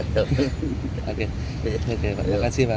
ya ya pak terima kasih pak